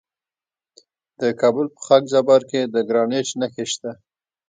د کابل په خاک جبار کې د ګرانیټ نښې شته.